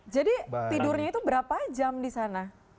jadi tidurnya itu berapa jam di sana